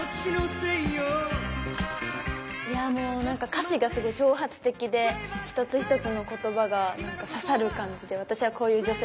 いやもうなんか歌詞がすごい挑発的で一つ一つの言葉がなんか刺さる感じで私はこういう女性